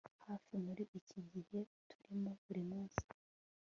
hafi muri iki gihe turimo, buri munsi